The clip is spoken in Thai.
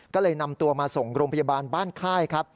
ก็เลยนำตัวมาส่งโรงพยาบาลบ้านค่ายครับ